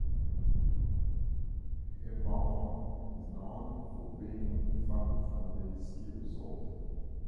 Hemavan is known for being a family-friendly ski resort.